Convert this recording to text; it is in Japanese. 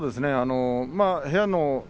部屋の翠